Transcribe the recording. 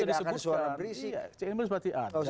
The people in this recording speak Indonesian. tidak akan ada suara berisik